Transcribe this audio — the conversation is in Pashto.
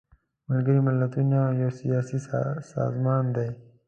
ملګري ملتونه یو سیاسي سازمان دی.